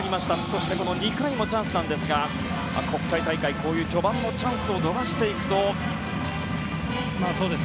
そして、この２回もチャンスなんですが国際大会、こういう序盤のチャンスを逃していくと。